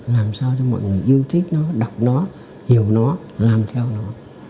làm sao cho mọi người yêu thích nó đọc nó hiểu nó làm theo nó